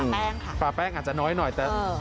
แป้งค่ะปลาแป้งอาจจะน้อยหน่อยแต่